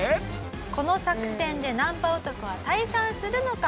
この作戦でナンパ男は退散するのか？